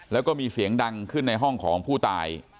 แล้วก็มีเสียงดังขึ้นในห้องของผู้ตาย